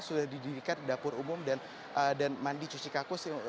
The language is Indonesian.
sudah didirikan dapur umum dan mandi cuci kakus